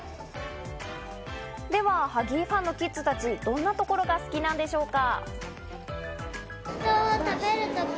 ではハギーファンのキッズたち、どんなところが好きなんでしょうか？